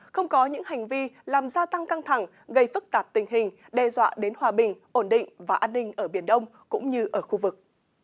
không có những hành vi làm gia tăng căng thẳng gây phức tạp tình hình đe dọa đến hòa bình ổn định và an ninh ở biển đông cũng như ở khu vực